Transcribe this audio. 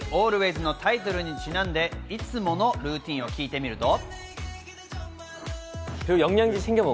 『Ａｌｗａｙｓ』のタイトルにちなんでいつものルーティンを聞いてみると。